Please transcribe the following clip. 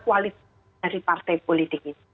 kualitas dari partai politik itu